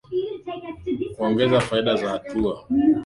kuongeza faida za hatua zetu na kuchochea